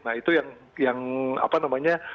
nah itu yang apa namanya